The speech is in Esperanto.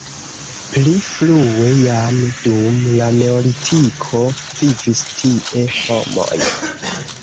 Pli frue jam dum la neolitiko vivis tie homoj.